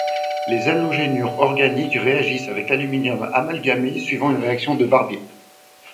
Les halogènures organiques réagissent avec l'aluminium amalgamé suivant une réaction de Barbier.